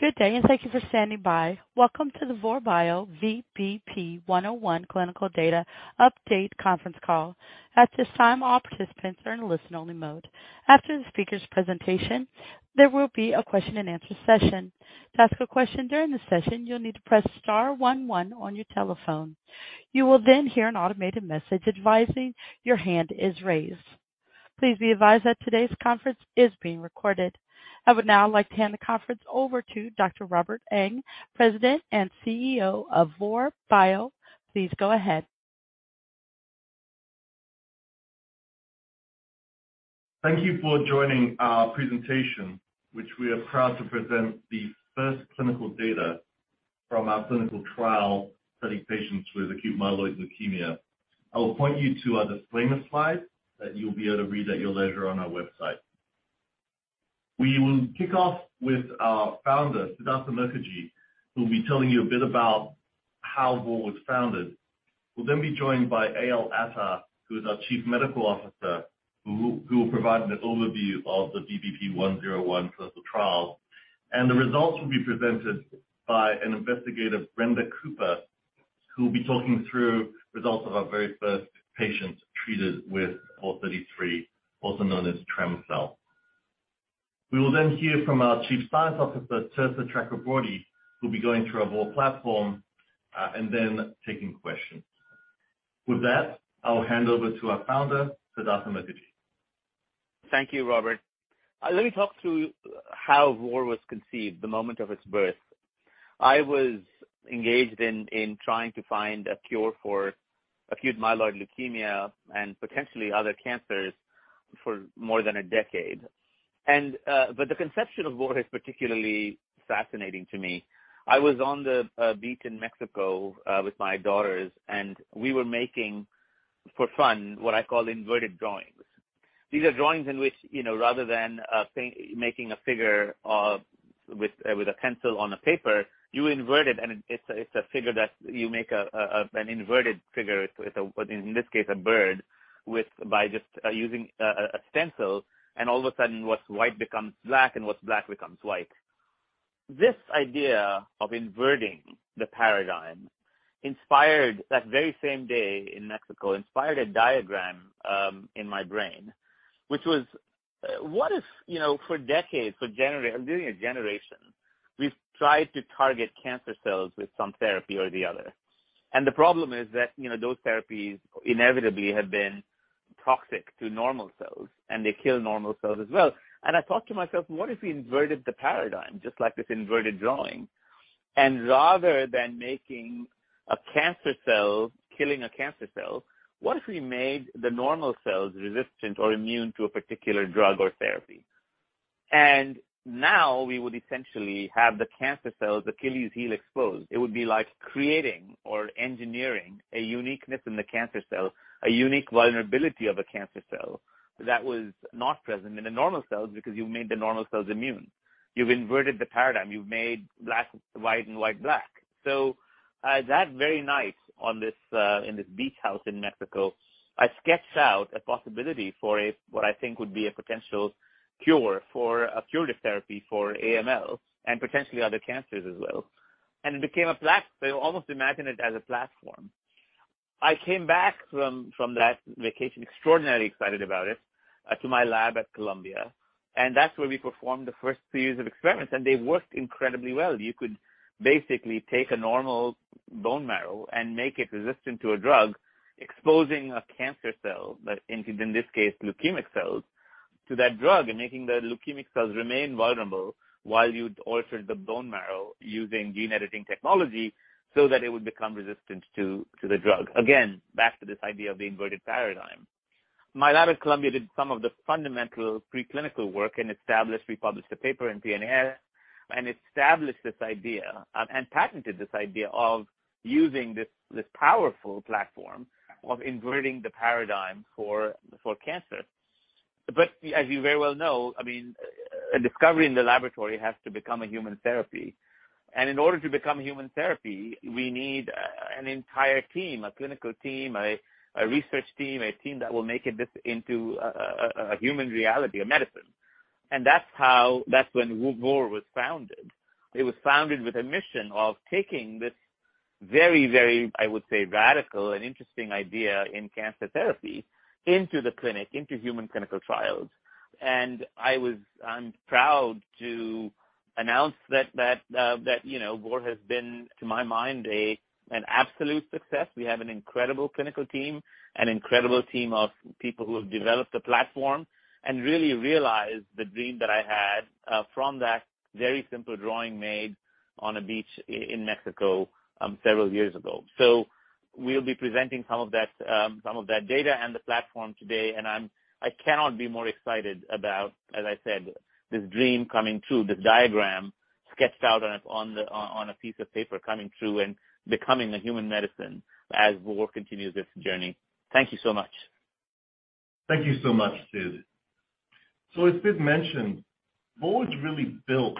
Good day. Thank you for standing by. Welcome to the Vor Bio VBP101 clinical data update conference call. At this time, all participants are in listen-only mode. After the speaker's presentation, there will be a question-and-answer session. To ask a question during the session, you'll need to press star one one on your telephone. You will hear an automated message advising your hand is raised. Please be advised that today's conference is being recorded. I would now like to hand the conference over to Dr. Robert Ang, President and CEO of Vor Bio. Please go ahead. Thank you for joining our presentation, which we are proud to present the first clinical data from our clinical trial treating patients with acute myeloid leukemia. I will point you to our disclaimer slide that you'll be able to read at your leisure on our website. We will kick off with our founder, Siddhartha Mukherjee, who will be telling you a bit about how Vor was founded. We'll then be joined by Eyal Attar, who is our Chief Medical Officer, who will provide an overview of the VBP101 clinical trial. The results will be presented by an investigator, Brenda Cooper, who will be talking through results of our very first patient treated with VOR33, also known as trem-cel. We will then hear from our Chief Scientific Officer, Tirtha Chakraborty, who'll be going through our Vor platform, and then taking questions. With that, I'll hand over to our founder, Siddhartha Mukherjee. Thank you, Robert. Let me talk through how Vor was conceived, the moment of its birth. I was engaged in trying to find a cure for acute myeloid leukemia and potentially other cancers for more than a decade. The conception of Vor is particularly fascinating to me. I was on the beach in Mexico with my daughters, and we were making, for fun, what I call inverted drawings. These are drawings in which, you know, rather than making a figure of with a pencil on a paper, you invert it, and it's a figure that you make an inverted figure, so in this case, a bird with by just using a stencil, all of a sudden, what's white becomes black and what's black becomes white. This idea of inverting the paradigm inspired, that very same day in Mexico, inspired a diagram in my brain, which was, what if, you know, for decades, for generations, literally a generation, we've tried to target cancer cells with some therapy or the other. The problem is that, you know, those therapies inevitably have been toxic to normal cells, and they kill normal cells as well. I thought to myself, what if we inverted the paradigm, just like this inverted drawing? Rather than making a cancer cell, killing a cancer cell, what if we made the normal cells resistant or immune to a particular drug or therapy? Now we would essentially have the cancer cell's Achilles heel exposed. It would be like creating or engineering a uniqueness in the cancer cell, a unique vulnerability of a cancer cell that was not present in the normal cells because you made the normal cells immune. You've inverted the paradigm. You've made black white and white black. That very night on this in this beach house in Mexico, I sketched out a possibility for a, what I think would be a potential cure for a curative therapy for AML and potentially other cancers as well. I almost imagine it as a platform. I came back from that vacation extraordinarily excited about it to my lab at Columbia, and that's where we performed the first series of experiments, and they worked incredibly well. You could basically take a normal bone marrow and make it resistant to a drug, exposing a cancer cell, but in this case, leukemic cells, to that drug and making the leukemic cells remain vulnerable while you altered the bone marrow using gene-editing technology so that it would become resistant to the drug. Again, back to this idea of the inverted paradigm. My lab at Columbia did some of the fundamental preclinical work and established. We published a paper in PNAS and established this idea and patented this idea of using this powerful platform of inverting the paradigm for cancer. As you very well know, I mean, a discovery in the laboratory has to become a human therapy. In order to become human therapy, we need an entire team, a clinical team, a research team, a team that will make this into a human reality, a medicine. That's when Vor was founded. It was founded with a mission of taking this very, I would say, radical and interesting idea in cancer therapy into the clinic, into human clinical trials. I'm proud to announce that, you know, Vor has been, to my mind, an absolute success. We have an incredible clinical team, an incredible team of people who have developed the platform and really realized the dream that I had from that very simple drawing made on a beach in Mexico several years ago. We'll be presenting some of that, some of that data and the platform today, and I cannot be more excited about, as I said, this dream coming true, this diagram sketched out on a piece of paper coming through and becoming a human medicine as Vor continues its journey. Thank you so much. Thank you so much, Sid. As Sid mentioned, Vor was really built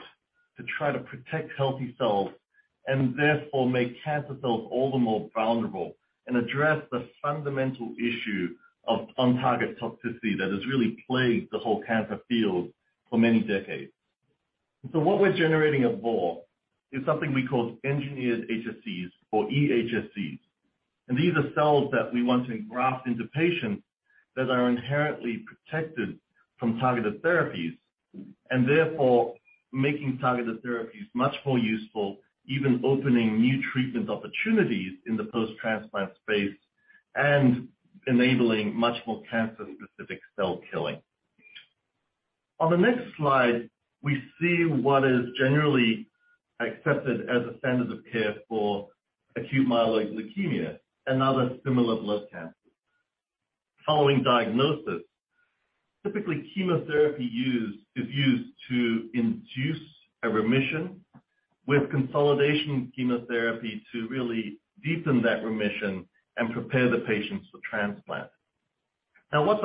to try to protect healthy cells, and therefore, make cancer cells all the more vulnerable and address the fundamental issue of on-target toxicity that has really plagued the whole cancer field for many decades. What we're generating at Vor is something we call engineered HSCs or eHSCs. These are cells that we want to graft into patients that are inherently protected from targeted therapies, and therefore making targeted therapies much more useful, even opening new treatment opportunities in the post-transplant space and enabling much more cancer-specific cell killing. On the next slide, we see what is generally accepted as a standard of care for acute myeloid leukemia and other similar blood cancers. Following diagnosis, typically, chemotherapy is used to induce a remission with consolidation chemotherapy to really deepen that remission and prepare the patients for transplant. The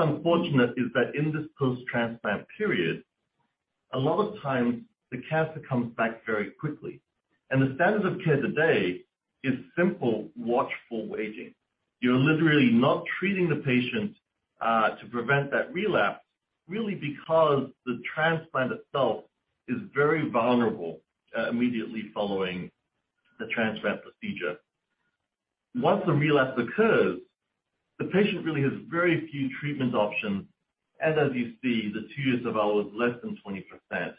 standard of care today is simple watchful waiting. You're literally not treating the patient to prevent that relapse really because the transplant itself is very vulnerable immediately following the transplant procedure. Once a relapse occurs, the patient really has very few treatment options, and as you see, the 2-year survival is less than 20%.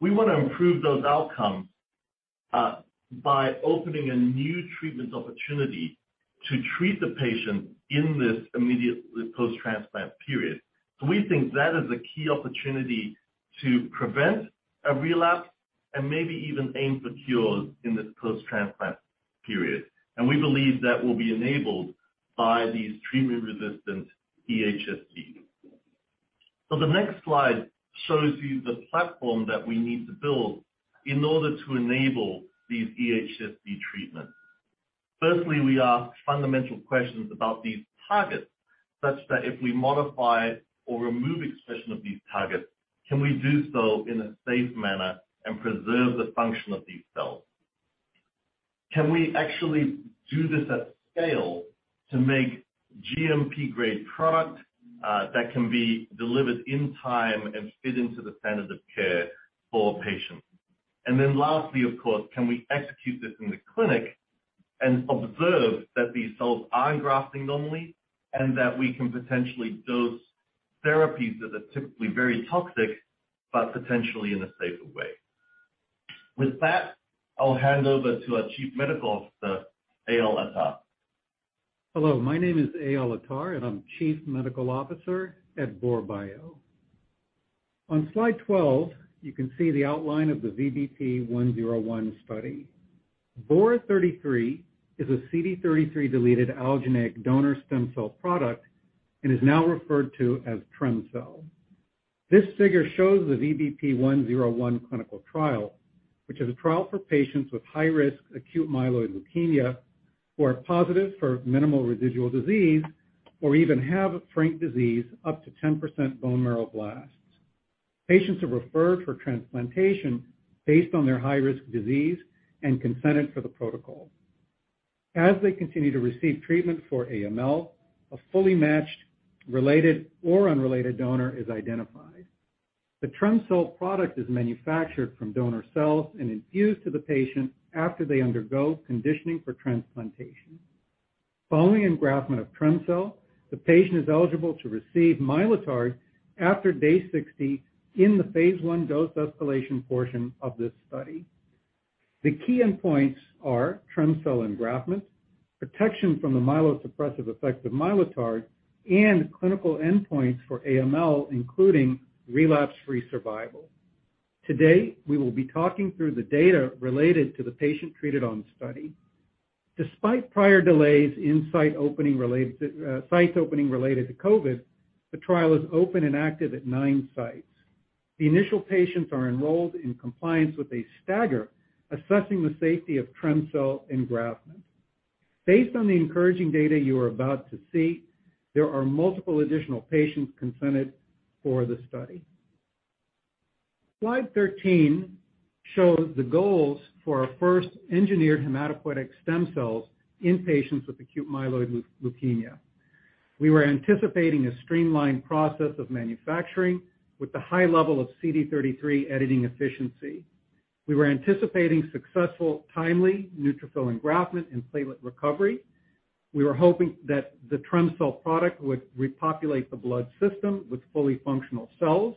We wanna improve those outcomes by opening a new treatment opportunity to treat the patient in this immediate post-transplant period. We think that is a key opportunity to prevent a relapse and maybe even aim for cures in this post-transplant period. We believe that will be enabled by these treatment-resistant eHSCs. The next slide shows you the platform that we need to build in order to enable these eHSC treatments. Firstly, we ask fundamental questions about these targets, such that if we modify or remove expression of these targets, can we do so in a safe manner and preserve the function of these cells? Can we actually do this at scale to make GMP-grade product that can be delivered in time and fit into the standard of care for patients? Lastly, of course, can we execute this in the clinic and observe that these cells are grafting normally and that we can potentially dose therapies that are typically very toxic, but potentially in a safer way? With that, I'll hand over to our Chief Medical Officer, Eyal Attar. Hello, my name is Eyal Attar, and I'm Chief Medical Officer at Vor Bio. On slide 12, you can see the outline of the VBP101 study. VOR33 is a CD33 deleted allogeneic donor stem cell product and is now referred to as trem-cel. This figure shows the VBP101 clinical trial, which is a trial for patients with high risk acute myeloid leukemia who are positive for minimal residual disease or even have frank disease up to 10% bone marrow blasts. Patients are referred for transplantation based on their high-risk disease and consented for the protocol. As they continue to receive treatment for AML, a fully matched related or unrelated donor is identified. The trem-cel product is manufactured from donor cells and infused to the patient after they undergo conditioning for transplantation. Following engraftment of trem-cel, the patient is eligible to receive Mylotarg after day 60 in the phase 1 dose escalation portion of this study. The key endpoints are trem-cel engraftment, protection from the myelosuppressive effects of Mylotarg, and clinical endpoints for AML, including relapse-free survival. Today, we will be talking through the data related to the patient treated on study. Despite prior delays in sites opening related to COVID, the trial is open and active at 9 sites. The initial patients are enrolled in compliance with a stagger assessing the safety of trem-cel engraftment. Based on the encouraging data you are about to see, there are multiple additional patients consented for the study. Slide 13 shows the goals for our first engineered hematopoietic stem cells in patients with acute myeloid leukemia. We were anticipating a streamlined process of manufacturing with a high level of CD33 editing efficiency. We were anticipating successful, timely neutrophil engraftment and platelet recovery. We were hoping that the trem-cel product would repopulate the blood system with fully functional cells,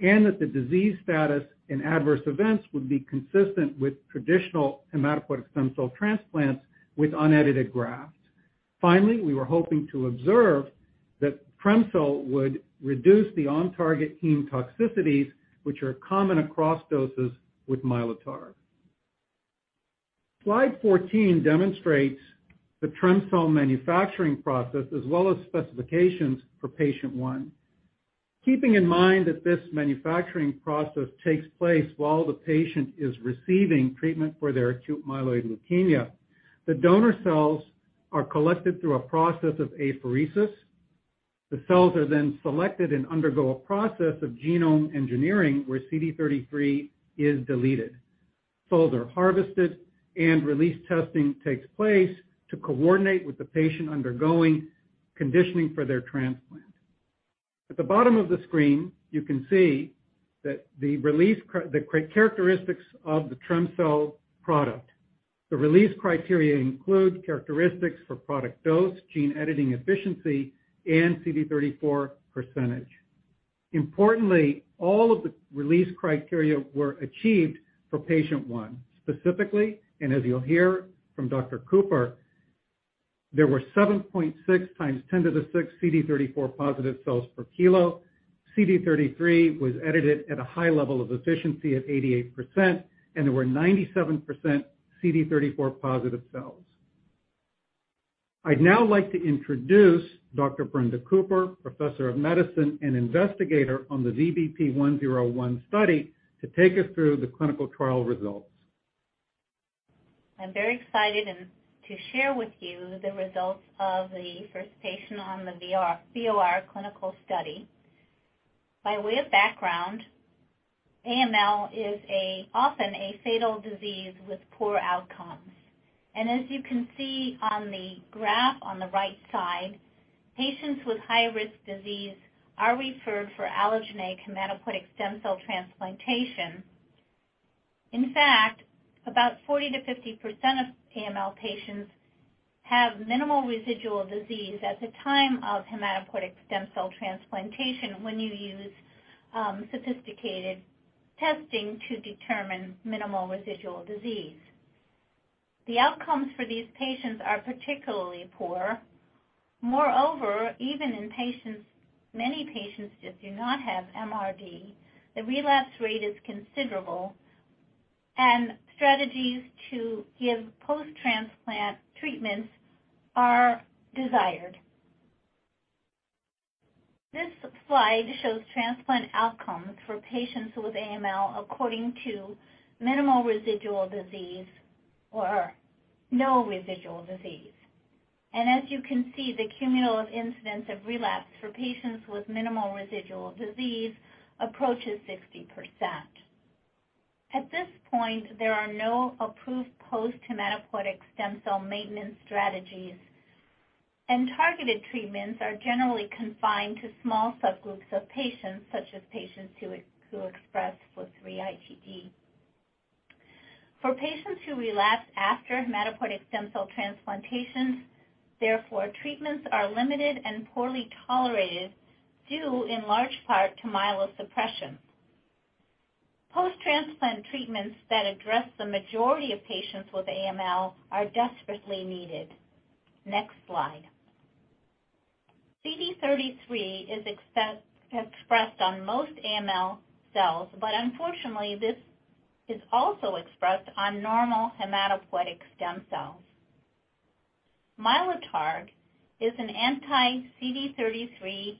and that the disease status and adverse events would be consistent with traditional hematopoietic stem cell transplants with unedited grafts. Finally, we were hoping to observe that trem-cel would reduce the on-target heme toxicities, which are common across doses with Mylotarg. Slide 14 demonstrates the trem-cel manufacturing process as well as specifications for patient 1. Keeping in mind that this manufacturing process takes place while the patient is receiving treatment for their acute myeloid leukemia, the donor cells are collected through a process of apheresis. The cells are then selected and undergo a process of genome engineering where CD33 is deleted. Cells are harvested, release testing takes place to coordinate with the patient undergoing conditioning for their transplant. At the bottom of the screen, you can see the characteristics of the trem-cel product. The release criteria include characteristics for product dose, gene editing efficiency, and CD34%. Importantly, all of the release criteria were achieved for patient 1. Specifically, as you'll hear from Dr. Cooper, there were 7.6 x 10^6 CD34 positive cells per kilo. CD33 was edited at a high level of efficiency at 88%, there were 97% CD34 positive cells. I'd now like to introduce Dr. Brenda Cooper, Professor of Medicine and investigator on the VBP101 study, to take us through the clinical trial results. I'm very excited to share with you the results of the first patient on the VOR33 clinical study. By way of background, AML is often a fatal disease with poor outcomes. As you can see on the graph on the right side, patients with high-risk disease are referred for allogeneic hematopoietic stem cell transplantation. In fact, about 40%-50% of AML patients have minimal residual disease at the time of hematopoietic stem cell transplantation when you use sophisticated testing to determine minimal residual disease. The outcomes for these patients are particularly poor. Moreover, many patients that do not have MRD, the relapse rate is considerable, and strategies to give post-transplant treatments are desired. This slide shows transplant outcomes for patients with AML according to minimal residual disease or no residual disease. As you can see, the cumulative incidence of relapse for patients with minimal residual disease approaches 60%. At this point, there are no approved post-hematopoietic stem cell maintenance strategies, and targeted treatments are generally confined to small subgroups of patients, such as patients who express FLT3-ITD. For patients who relapse after hematopoietic stem cell transplantation, therefore, treatments are limited and poorly tolerated due in large part to myelosuppression. Post-transplant treatments that address the majority of patients with AML are desperately needed. Next slide. CD33 is expressed on most AML cells, but unfortunately, this is also expressed on normal hematopoietic stem cells. Mylotarg is an anti-CD33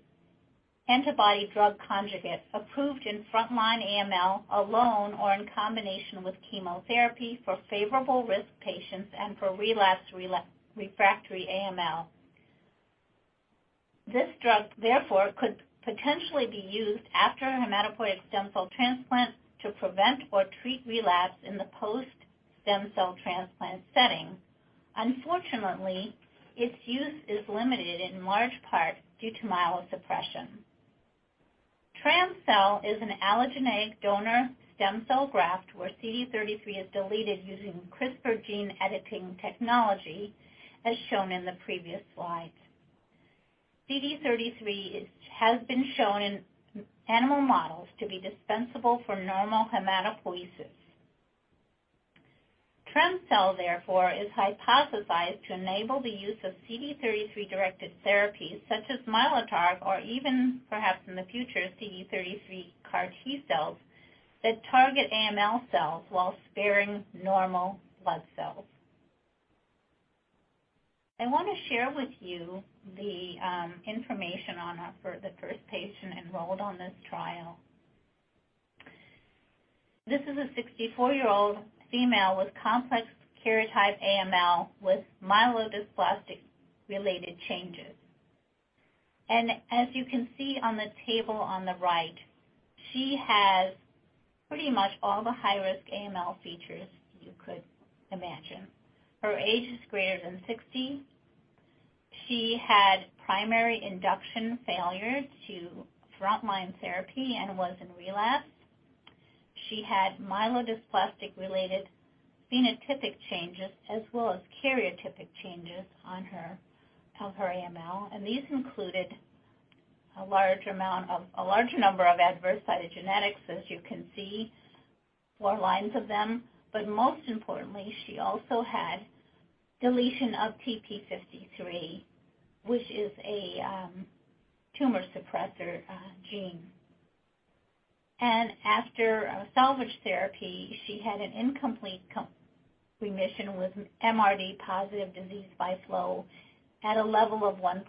antibody-drug conjugate approved in front-line AML alone or in combination with chemotherapy for favorable risk patients and for relapsed refractory AML. This drug, therefore, could potentially be used after a hematopoietic stem cell transplant to prevent or treat relapse in the post-stem cell transplant setting. Unfortunately, its use is limited in large part due to myelosuppression. trem-cel is an allogeneic donor stem cell graft where CD33 is deleted using CRISPR gene editing technology, as shown in the previous slide. CD33 has been shown in animal models to be dispensable for normal hematopoiesis. trem-cel, therefore, is hypothesized to enable the use of CD33-directed therapies such as Mylotarg or even perhaps in the future, CD33 CAR-T cells that target AML cells while sparing normal blood cells. I want to share with you the information for the first patient enrolled on this trial. This is a 64-year-old female with complex karyotype AML with myelodysplastic-related changes. As you can see on the table on the right, she has pretty much all the high-risk AML features you could imagine. Her age is greater than 60. She had primary induction failure to frontline therapy and was in relapse. She had myelodysplastic-related phenotypic changes as well as karyotypic changes on her AML, these included a large number of adverse cytogenetics, as you can see, 4 lines of them. Most importantly, she also had deletion of TP53, which is a tumor suppressor gene. After a salvage therapy, she had an incomplete remission with MRD positive disease by flow at a level of 1.8%.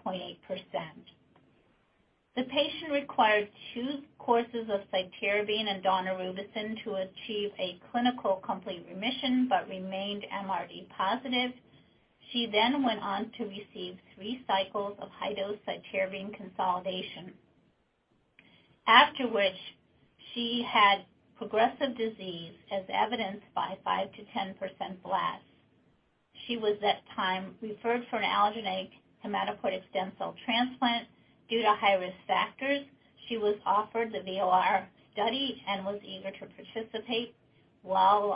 The patient required 2 courses of cytarabine and daunorubicin to achieve a clinical complete remission but remained MRD positive. She went on to receive 3 cycles of high-dose cytarabine consolidation. After which, she had progressive disease as evidenced by 5%-10% blasts. She was at time referred for an allogeneic hematopoietic stem cell transplant due to high-risk factors. She was offered the VOR33 study and was eager to participate. While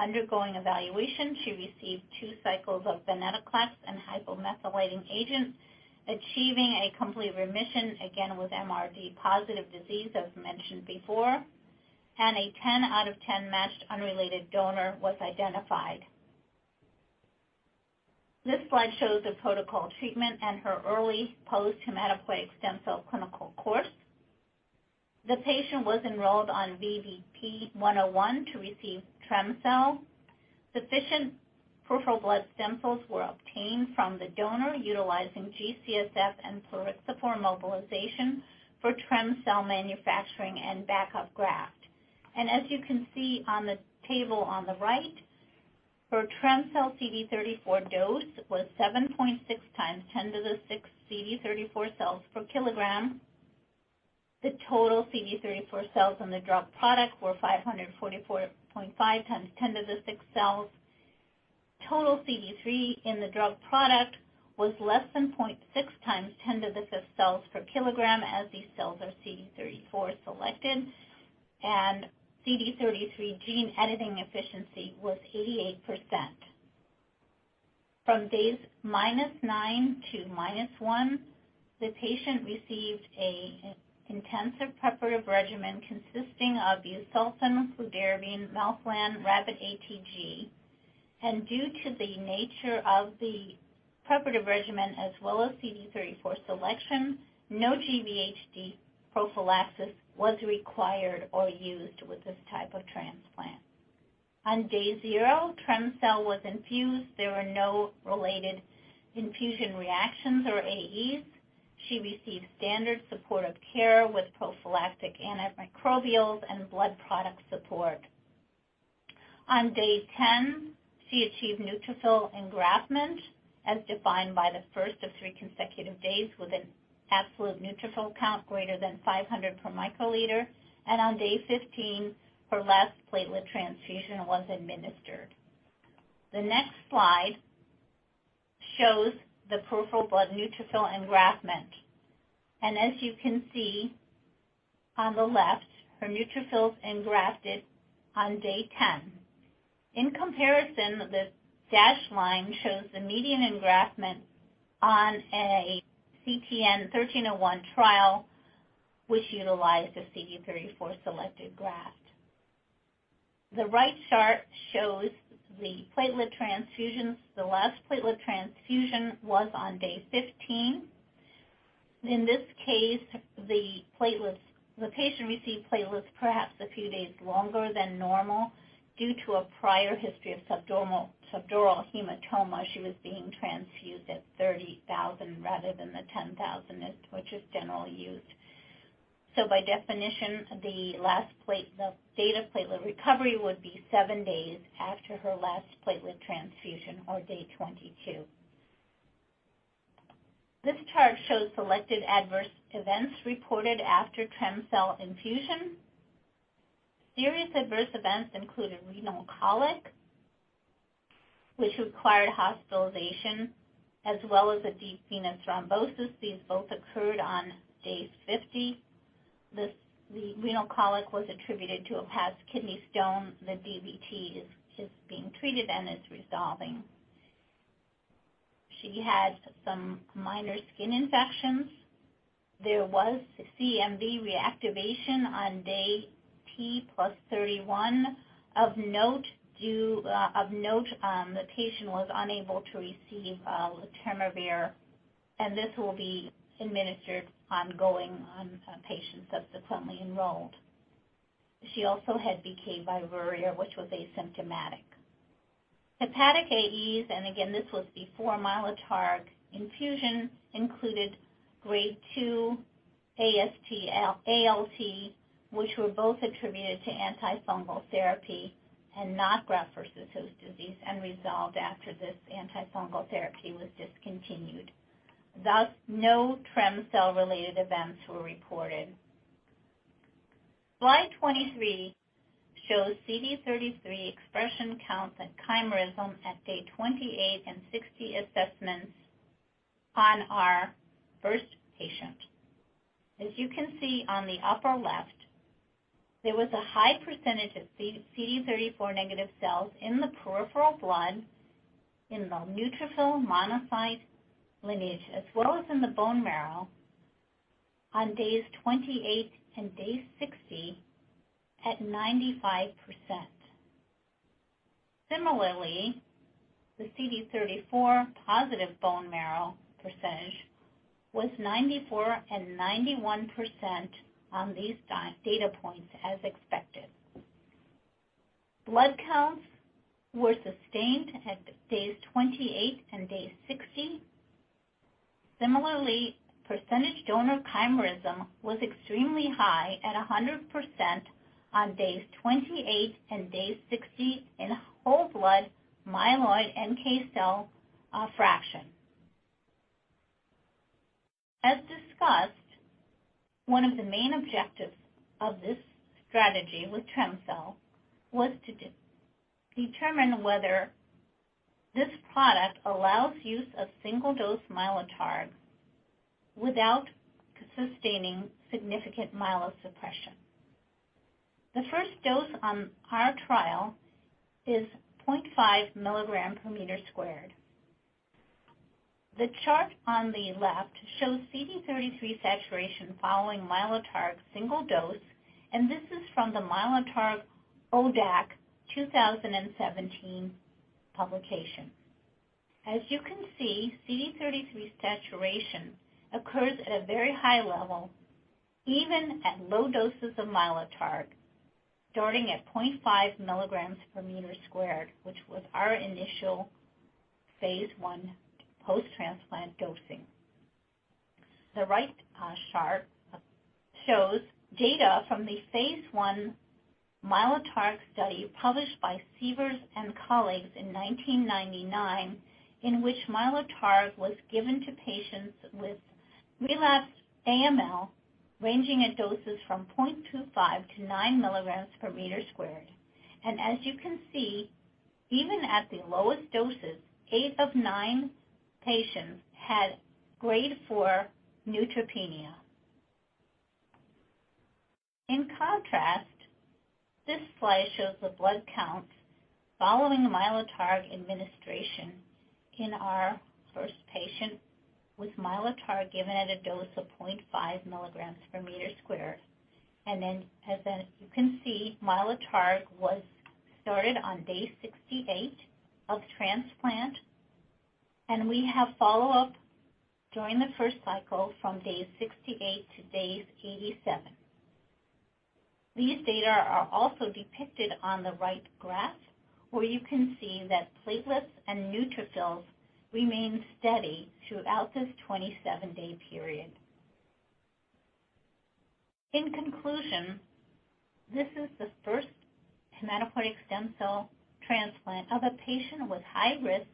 undergoing evaluation, she received 2 cycles of venetoclax and hypomethylating agents, achieving a complete remission, again, with MRD-positive disease, as mentioned before, and a 10 out of 10 matched unrelated donor was identified. This slide shows the protocol treatment and her early post-hematopoietic stem cell clinical course. The patient was enrolled on VBP101 to receive trem-cel. Sufficient peripheral blood samples were obtained from the donor utilizing G-CSF and plerixafor mobilization for trem-cel manufacturing and backup graft. As you can see on the table on the right, her trem-cel CD34 dose was 7.6 times 10th to the 6th CD34 cells per kg. The total CD34 cells in the drug product were 544.5 times 10th to the 6th cells. Total CD3 in the drug product was less than 0.6 times 10 to the fifth cells per kilogram, as these cells are CD34 selected, and CD33 gene editing efficiency was 88%. From days -9 to -1, the patient received an intensive preparative regimen consisting of busulfan, fludarabine, melphalan, rabbit ATG. Due to the nature of the preparative regimen as well as CD34 selection, no GVHD prophylaxis was required or used with this type of transplant. On day 0, trem-cel was infused. There were no related infusion reactions or AEs. She received standard supportive care with prophylactic antimicrobials and blood product support. On day 10, she achieved neutrophil engraftment, as defined by the 1st of 3 consecutive days with an absolute neutrophil count greater than 500 per microliter. On day 15, her last platelet transfusion was administered. The next slide shows the peripheral blood neutrophil engraftment. As you can see on the left, her neutrophils engrafted on day 10. In comparison, the dashed line shows the median engraftment on a BMT CTN 1301 trial, which utilized a CD34-selected graft. The right chart shows the platelet transfusions. The last platelet transfusion was on day 15. In this case, the patient received platelets perhaps a few days longer than normal. Due to a prior history of subdural hematoma, she was being transfused at 30,000 rather than the 10,000 is, which is generally used. By definition, the last plate, the date of platelet recovery would be 7 days after her last platelet transfusion, or day 22. This chart shows selected adverse events reported after trem-cel infusion. Serious adverse events included renal colic, which required hospitalization, as well as a deep venous thrombosis. These both occurred on day 50. The renal colic was attributed to a past kidney stone. The DVT is being treated and is resolving. She had some minor skin infections. There was a CMV reactivation on day T + 31. Of note, of note, the patient was unable to receive letermovir, and this will be administered ongoing on patients subsequently enrolled. She also had BK viruria, which was asymptomatic. Hepatic AEs, and again, this was before Mylotarg infusion, included grade 2 AST, ALT, which were both attributed to antifungal therapy and not Graft-versus-Host Disease and resolved after this antifungal therapy was discontinued. Thus, no trem-cel-related events were reported. Slide 23 shows CD33 expression count and chimerism at day 28 and 60 assessments on our first patient. As you can see on the upper left, there was a high percentage of C-CD34 negative cells in the peripheral blood, in the neutrophil monocyte lineage, as well as in the bone marrow on days 28 and day 60 at 95%. Similarly, the CD34 positive bone marrow percentage was 94 and 91% on these data points as expected. Blood counts were sustained at days 28 and day 60. Similarly, percentage donor chimerism was extremely high at 100% on days 28 and days 60 in whole blood myeloid NK cell fraction. As discussed, one of the main objectives of this strategy with trem-cel was to determine whether this product allows use of single-dose Mylotarg without sustaining significant myelosuppression. The first dose on our trial is 0.5 milligram per meter squared. The chart on the left shows CD33 saturation following Mylotarg single dose, and this is from the Mylotarg ODAC 2017 publication. As you can see, CD33 saturation occurs at a very high level, even at low doses of Mylotarg, starting at 0.5 milligrams per meter squared, which was our initial phase I post-transplant dosing. The right chart shows data from the phase 1 Mylotarg study published by Sievers and colleagues in 1999, in which Mylotarg was given to patients with relapsed AML, ranging in doses from 0.25-9 milligrams per meter squared. As you can see, even at the lowest doses, -9 patients had grade 4 neutropenia. In contrast, this slide shows the blood counts following Mylotarg administration in our first patient with Mylotarg given at a dose of 0.5 milligrams per meter squared. Then, as then you can see, Mylotarg was started on day 68 of transplant, and we have follow-up during the first cycle from day 68 to days 87. These data are also depicted on the right graph, where you can see that platelets and neutrophils remain steady throughout this 27-day period. In conclusion, this is the first hematopoietic stem cell transplant of a patient with high risk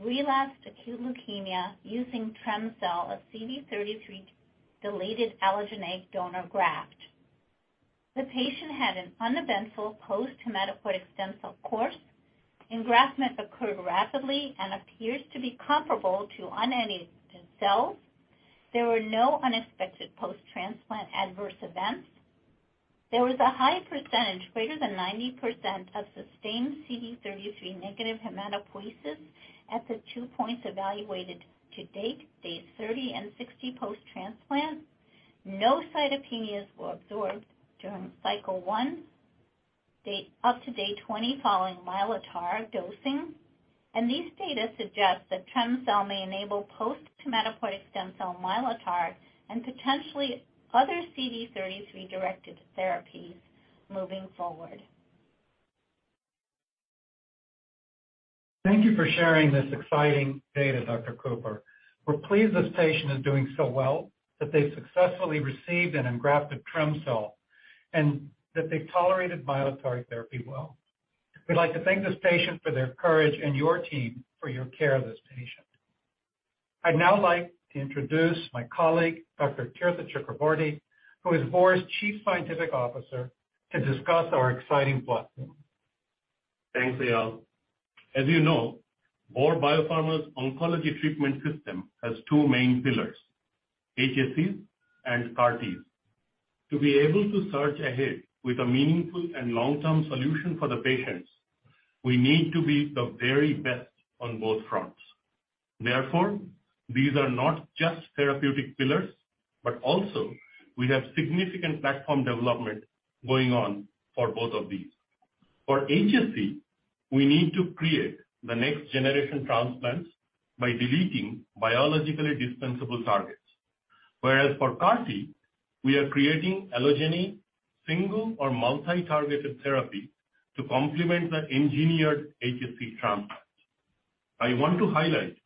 relapsed acute leukemia using trem-cel, a CD33-deleted allogeneic donor graft. The patient had an uneventful post hematopoietic stem cell course. Engraftment occurred rapidly and appears to be comparable to unedited cells. There were no unexpected post-transplant adverse events. There was a high percentage, greater than 90%, of sustained CD33 negative hematopoiesis at the 2 points evaluated to date, day 30 and 60 post-transplant. No cytopenias were observed during cycle 1, date, up to day 20 following Mylotarg dosing. These data suggest that trem-cel may enable post hematopoietic stem cell Mylotarg and potentially other CD33-directed therapies moving forward. Thank you for sharing this exciting data, Dr. Cooper. We're pleased this patient is doing so well, that they've successfully received an engrafted trem-cel, and that they tolerated Mylotarg therapy well. We'd like to thank this patient for their courage and your team for your care of this patient. I'd now like to introduce my colleague, Dr. Tirtha Chakraborty, who is Vor's chief scientific officer, to discuss our exciting platform. Thanks, Eyal. As you know, Vor Biopharma's oncology treatment system has two main pillars, HSCs and CAR-T. To be able to surge ahead with a meaningful and long-term solution for the patients, we need to be the very best on both fronts. These are not just therapeutic pillars, but also we have significant platform development going on for both of these. For HSC, we need to create the next generation transplants by deleting biologically dispensable targets. Whereas for CAR-T, we are creating allogeneic single or multi-targeted therapy to complement the engineered HSC transplant. I want to highlight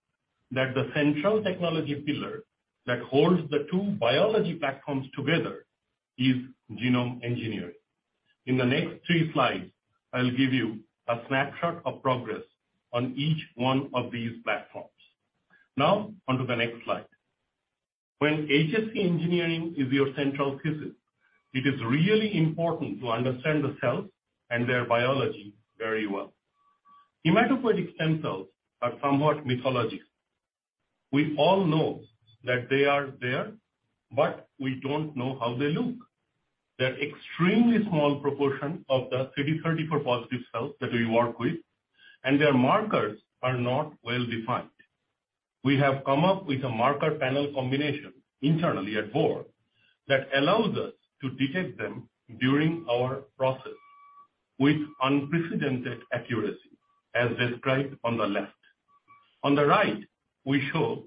that the central technology pillar that holds the two biology platforms together is genome engineering. In the next three slides, I'll give you a snapshot of progress on each one of these platforms. On to the next slide. When HSC engineering is your central thesis, it is really important to understand the cells and their biology very well. Hematopoietic stem cells are somewhat mythologic. We all know that they are there, but we don't know how they look. They're extremely small proportion of the CD34 positive cells that we work with, and their markers are not well defined. We have come up with a marker panel combination internally at Vor that allows us to detect them during our process with unprecedented accuracy, as described on the left. On the right, we show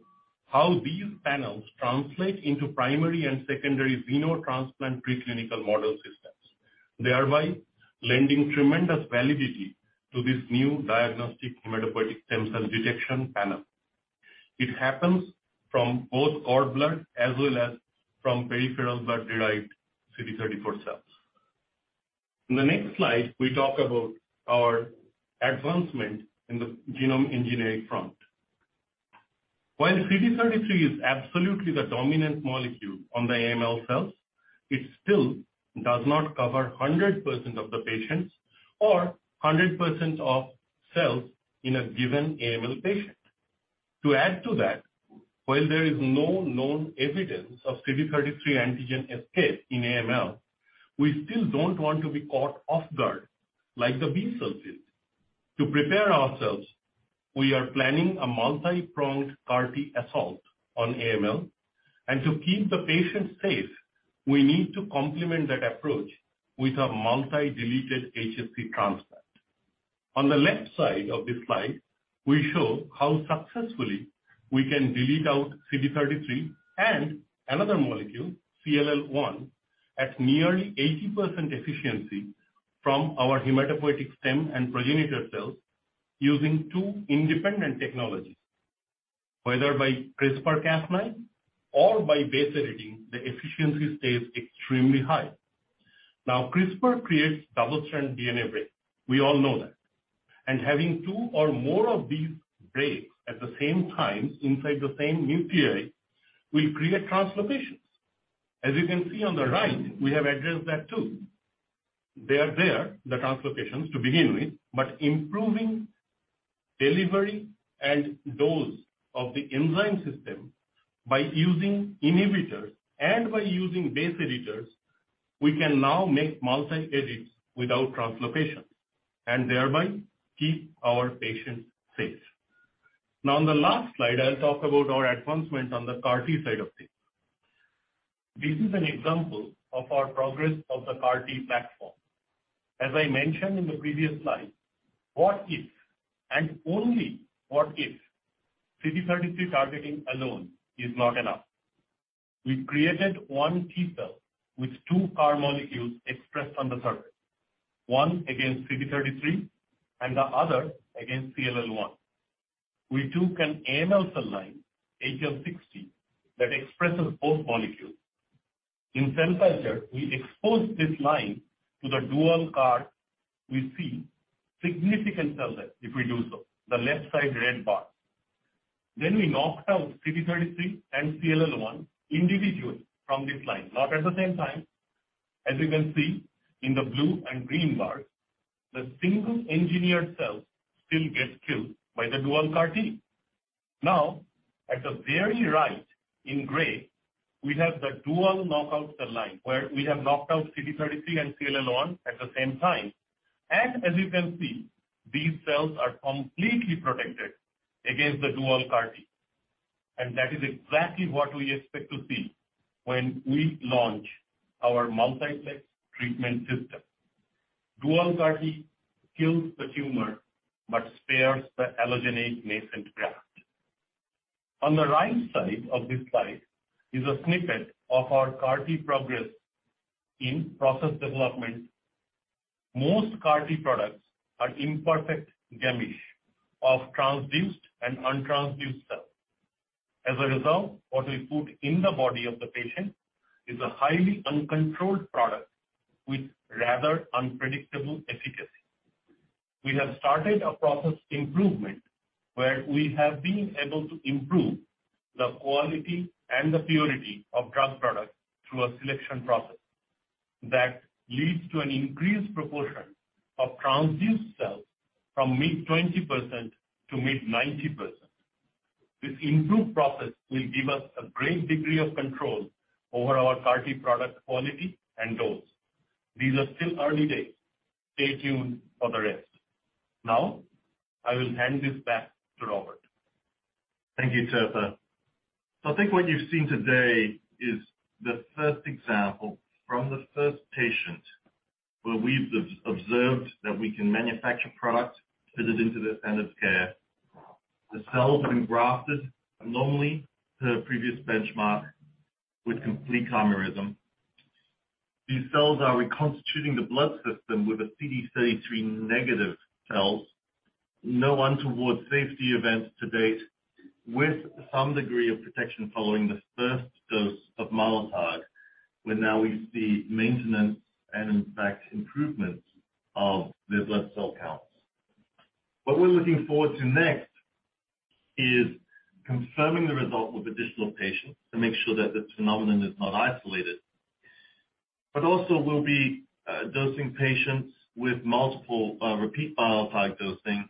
how these panels translate into primary and secondary xenotransplant preclinical model systems, thereby lending tremendous validity to this new diagnostic hematopoietic stem cell detection panel. It happens from both cord blood as well as from peripheral blood-derived CD34 cells. In the next slide, we talk about our advancement in the genome engineering front. While CD33 is absolutely the dominant molecule on the AML cells, it still does not cover 100% of the patients or 100% of cells in a given AML patient. To add to that, while there is no known evidence of CD33 antigen escape in AML, we still don't want to be caught off guard like the B-cells did. To prepare ourselves, we are planning a multi-pronged CAR-T assault on AML, and to keep the patients safe, we need to complement that approach with a multi-deleted HSC transplant. On the left side of this slide, we show how successfully we can delete out CD33 and another molecule, CLL1, at nearly 80% efficiency from our hematopoietic stem and progenitor cells using two independent technologies. Whether by CRISPR-Cas9 or by base editing, the efficiency stays extremely high. Now, CRISPR creates double-strand DNA break. We all know that. Having 2 or more of these breaks at the same time inside the same nuclei will create translocations. As you can see on the right, we have addressed that too. They are there, the translocations, to begin with, but improving delivery and dose of the enzyme system by using inhibitors and by using base editors, we can now make multi edits without translocation and thereby keep our patients safe. Now, on the last slide, I'll talk about our advancements on the CAR T side of things. This is an example of our progress of the CAR T platform. As I mentioned in the previous slide, what if, and only what if, CD33 targeting alone is not enough? We created 1 T-cell with 2 CAR molecules expressed on the surface, 1 against CD33 and the other against CLL1. We took an AML cell line, HL60, that expresses both molecules. In cell culture, we exposed this line to the dual CAR. We see significant cell death if we do so, the left side red bar. We knocked out CD33 and CLL1 individually from this line, not at the same time. As you can see in the blue and green bars, the single engineered cells still get killed by the dual CAR T. At the very right in gray, we have the dual knockout cell line, where we have knocked out CD33 and CLL1 at the same time. As you can see, these cells are completely protected against the dual CAR T. That is exactly what we expect to see when we launch our multiplex treatment system. Dual CAR T kills the tumor but spares the allogeneic nascent graft. On the right side of this slide is a snippet of our CAR T progress in process development. Most CAR-T products are imperfect gametes of transduced and untransduced cells. As a result, what we put in the body of the patient is a highly uncontrolled product with rather unpredictable efficacy. We have started a process improvement where we have been able to improve the quality and the purity of drug products through a selection process that leads to an increased proportion of transduced cells from mid 20%-mid 90%. This improved process will give us a great degree of control over our CAR-T product quality and dose. These are still early days. Stay tuned for the rest. Now, I will hand this back to Robert. Thank you, Tirtha. I think what you've seen today is the first example from the first patient where we've observed that we can manufacture product, fit it into the standard of care. The cells have been grafted normally per previous benchmark with complete chimerism. These cells are reconstituting the blood system with a CD33 negative cells. No untoward safety events to date with some degree of protection following the first dose of Mylotarg, where now we see maintenance and in fact, improvements of their blood cell counts. What we're looking forward to next is confirming the result with additional patients to make sure that the phenomenon is not isolated. Also we'll be dosing patients with multiple repeat Mylotarg dosing,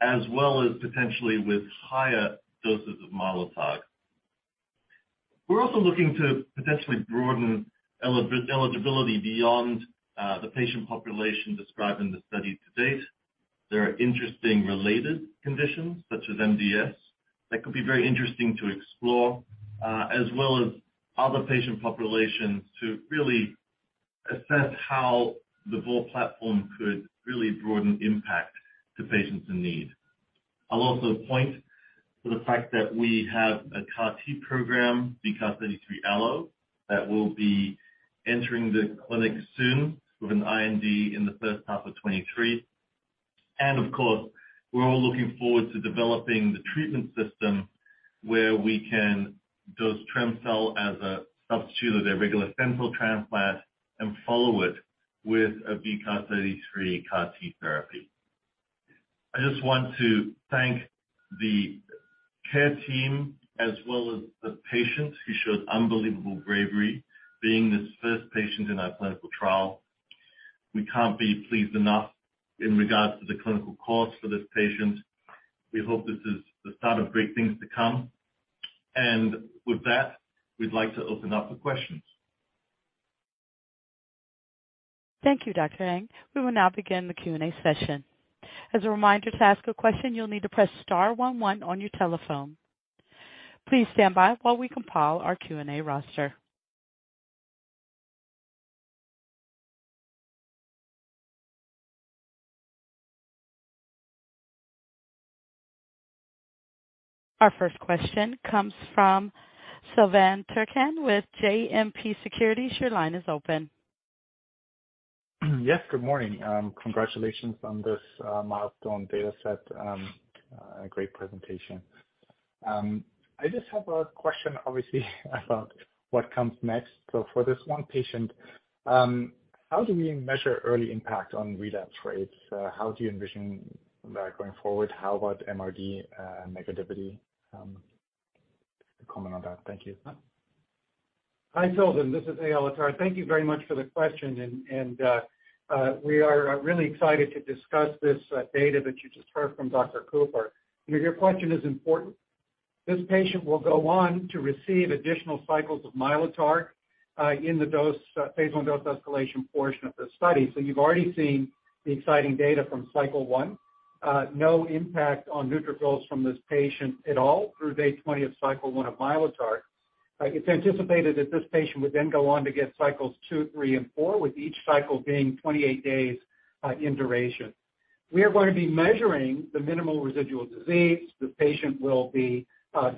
as well as potentially with higher doses of Mylotarg. We're also looking to potentially broaden eligibility beyond the patient population described in the study to date. There are interesting related conditions, such as MDS, that could be very interesting to explore, as well as other patient populations to really assess how the Vor platform could really broaden impact to patients in need. I'll also point to the fact that we have a CAR-T program, VCAR33ALLO, that will be entering the clinic soon with an IND in the first half of 2023. Of course, we're all looking forward to developing the treatment system where we can dose trem-cel as a substitute of their regular stem cell transplant and follow it with a VCAR33 CAR-T therapy. I just want to thank the care team as well as the patient who showed unbelievable bravery being this first patient in our clinical trial. We can't be pleased enough in regards to the clinical course for this patient. We hope this is the start of great things to come. With that, we'd like to open up for questions. Thank you, Dr. Ang. We will now begin the Q&A session. As a reminder, to ask a question, you'll need to press star one one on your telephone. Please stand by while we compile our Q&A roster. Our first question comes from Sylvain Turcan with JMP Securities. Your line is open. Yes, good morning. Congratulations on this milestone data set. Great presentation. I just have a question, obviously about what comes next. For this one patient, how do we measure early impact on relapse rates? How do you envision that going forward? How about MRD negativity, to comment on that? Thank you. Hi, Sylvain. This is Eyal Attar. Thank you very much for the question. We are really excited to discuss this data that you just heard from Dr. Cooper. Your question is important. This patient will go on to receive additional cycles of Mylotarg in the dose phase 1 dose escalation portion of this study. You've already seen the exciting data from cycle 1. No impact on neutrophils from this patient at all through day 20 of cycle 1 of Mylotarg. It's anticipated that this patient would then go on to get cycles 2, 3, and 4, with each cycle being 28 days in duration. We are going to be measuring the minimal residual disease. The patient will be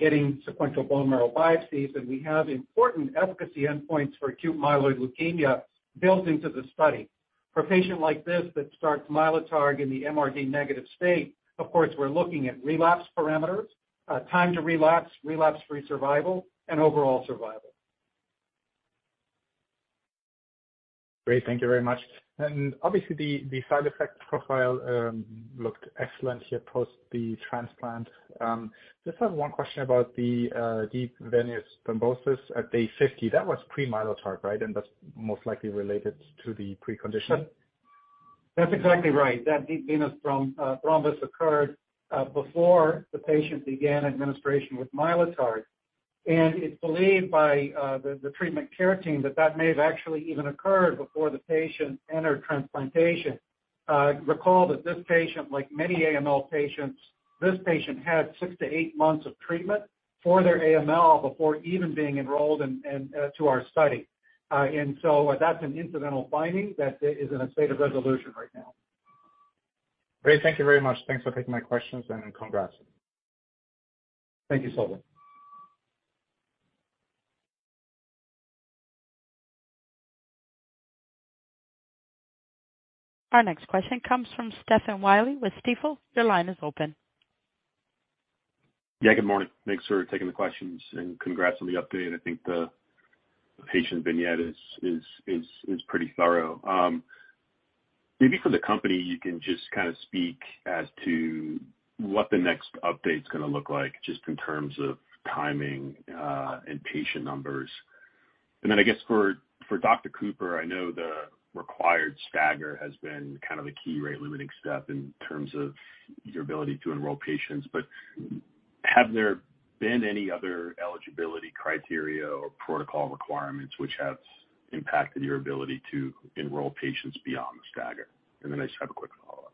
getting sequential bone marrow biopsies, and we have important efficacy endpoints for acute myeloid leukemia built into the study. For a patient like this that starts Mylotarg in the MRD negative state, of course, we're looking at relapse parameters, time to relapse-free survival, and overall survival. Great. Thank you very much. Obviously, the side effect profile looked excellent here post the transplant. Just have 1 question about the deep venous thrombosis at day 50. That was pre-Mylotarg, right? That's most likely related to the preconditioning. That's exactly right. That deep venous thrombus occurred before the patient began administration with Mylotarg. It's believed by the treatment care team that that may have actually even occurred before the patient entered transplantation. Recall that this patient, like many AML patients, this patient had 6-8 months of treatment for their AML before even being enrolled in to our study. That's an incidental finding that is in a state of resolution right now. Great. Thank you very much. Thanks for taking my questions, and congrats. Thank you, Sylvain. Our next question comes from Stephen Willey with Stifel. Your line is open. Yeah, good morning. Thanks for taking the questions, and congrats on the update. I think the patient vignette is pretty thorough. Maybe for the company, you can just kind of speak as to what the next update's gonna look like, just in terms of timing, and patient numbers. I guess for Dr. Cooper, I know the required stagger has been kind of a key rate-limiting step in terms of your ability to enroll patients, but have there been any other eligibility criteria or protocol requirements which has impacted your ability to enroll patients beyond the stagger? I just have a quick follow-up.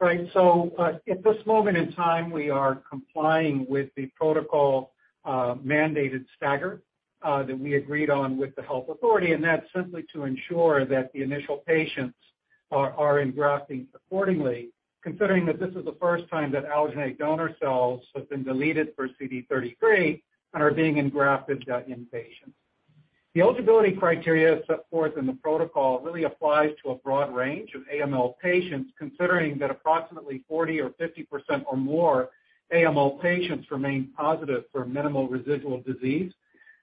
Right. At this moment in time, we are complying with the protocol mandated stagger that we agreed on with the health authority, and that's simply to ensure that the initial patients are engrafting accordingly, considering that this is the first time that allogeneic donor cells have been deleted for CD33 and are being engrafted in patients. The eligibility criteria set forth in the protocol really applies to a broad range of AML patients, considering that approximately 40% or 50% or more AML patients remain positive for minimal residual disease.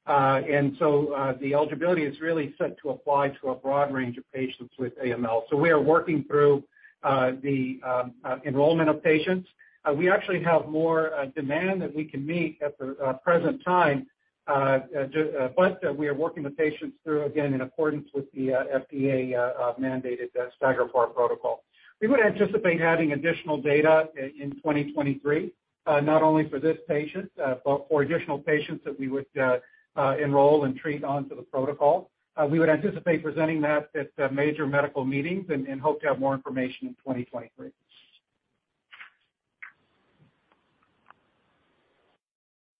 The eligibility is really set to apply to a broad range of patients with AML. We are working through the enrollment of patients. We actually have more demand that we can meet at the present time, but we are working with patients through, again, in accordance with the FDA mandated stagger part protocol. We would anticipate having additional data in 2023, not only for this patient, but for additional patients that we would enroll and treat onto the protocol. We would anticipate presenting that at major medical meetings and hope to have more information in 2023.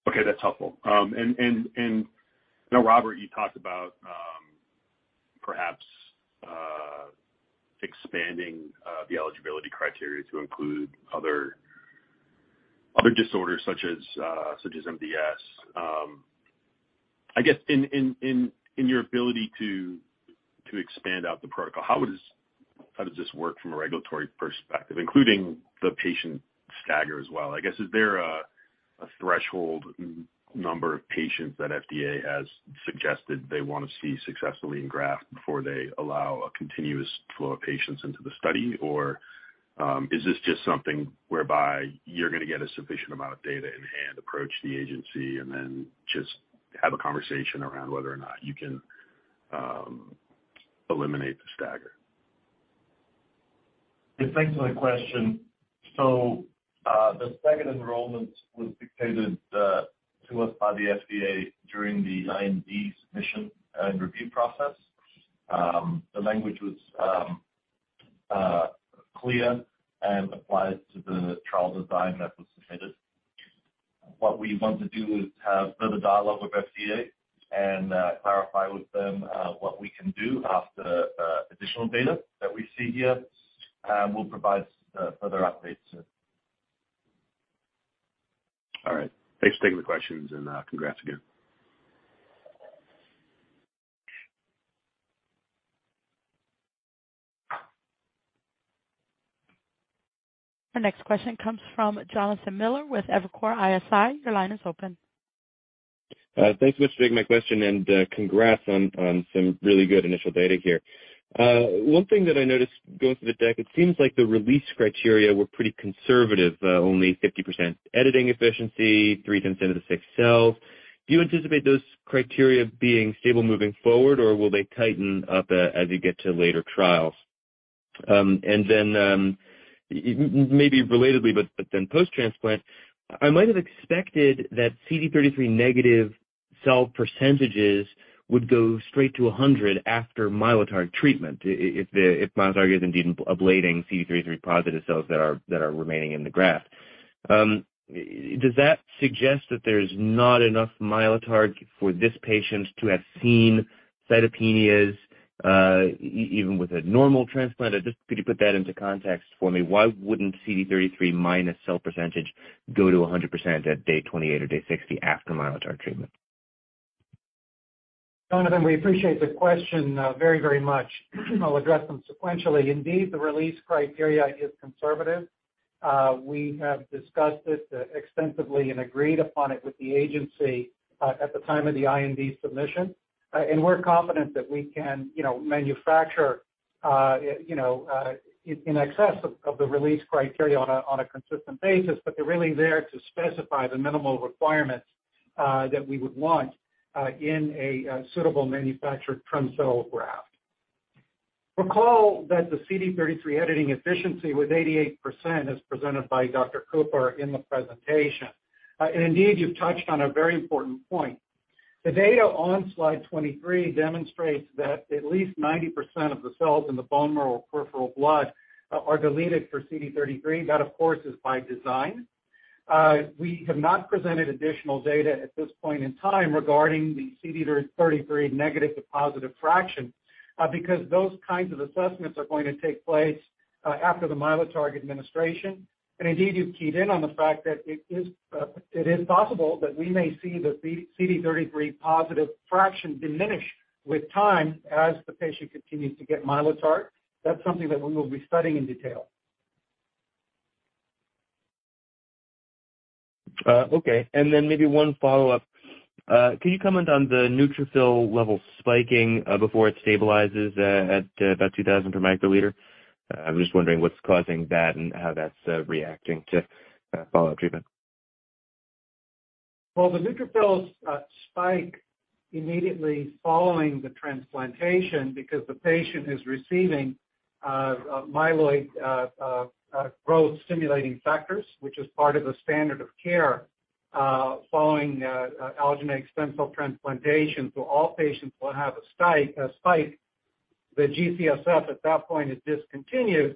Okay, that's helpful. Now, Robert, you talked about perhaps expanding the eligibility criteria to include other disorders such as MDS. I guess in your ability to expand out the protocol, how does this work from a regulatory perspective, including the patient stagger as well? I guess, is there a threshold number of patients that FDA has suggested they wanna see successfully engraft before they allow a continuous flow of patients into the study? Is this just something whereby you're gonna get a sufficient amount of data in hand, approach the agency, and then just have a conversation around whether or not you can eliminate the stagger? Yeah, thanks for the question. The staggered enrollment was dictated to us by the FDA during the IND submission and review process. The language was clear and applied to the trial design that was submitted. What we want to do is have further dialogue with FDA and clarify with them what we can do after additional data that we see here, and we'll provide further updates soon. All right. Thanks for taking the questions. Congrats again. Our next question comes from Jonathan Miller with Evercore ISI. Your line is open. Thanks so much for taking my question. Congrats on some really good initial data here. One thing that I noticed going through the deck, it seems like the release criteria were pretty conservative, only 50% editing efficiency, 3/10 into the 6 cells. Do you anticipate those criteria being stable moving forward, or will they tighten up as you get to later trials? Then, maybe relatedly, but then post-transplant, I might have expected that CD33 negative cell percentages would go straight to 100 after Mylotarg treatment if the, if Mylotarg is indeed ablating CD33 positive cells that are remaining in the graft. Does that suggest that there's not enough Mylotarg for this patient to have seen cytopenias, even with a normal transplant? Just could you put that into context for me? Why wouldn't CD33 minus cell percentage go to 100% at day 28 or day 60 after Mylotarg treatment? Jonathan, we appreciate the question, very, very much. I'll address them sequentially. Indeed, the release criteria is conservative. We have discussed it extensively and agreed upon it with the agency at the time of the IND submission. We're confident that we can, you know, manufacture, you know, in excess of the release criteria on a consistent basis. They're really there to specify the minimal requirements that we would want in a suitable manufactured trem-cel graft. Recall that the CD33 editing efficiency with 88% is presented by Dr. Cooper in the presentation. Indeed, you've touched on a very important point. The data on slide 23 demonstrates that at least 90% of the cells in the bone marrow peripheral blood are deleted for CD33. That, of course, is by design. We have not presented additional data at this point in time regarding the CD33 negative to positive fraction, because those kinds of assessments are going to take place after the Mylotarg administration. Indeed, you've keyed in on the fact that it is, it is possible that we may see the CD33 positive fraction diminish with time as the patient continues to get Mylotarg. That's something that we will be studying in detail. Okay, maybe one follow-up. Can you comment on the neutrophil level spiking before it stabilizes at about 2,000 per microliter? I'm just wondering what's causing that and how that's reacting to follow-up treatment. The neutrophils spike immediately following the transplantation because the patient is receiving myeloid growth-stimulating factors, which is part of the standard of care following allogeneic stem cell transplantation. All patients will have a spike. The GCSF at that point is discontinued,